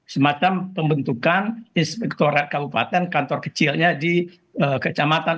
semacam pembentukan inspektorat kabupaten kantor kecilnya di kecamatan